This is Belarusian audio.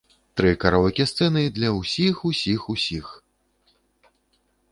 Тры караоке-сцэны для ўсіх-усіх-усіх.